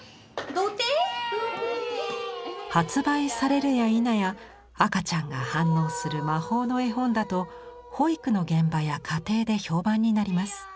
どて。発売されるやいなや赤ちゃんが反応する魔法の絵本だと保育の現場や家庭で評判になります。